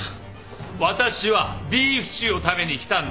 私はビーフシチューを食べに来たんだ！